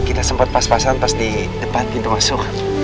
kita sempat pas pasan pas di depan pintu masuk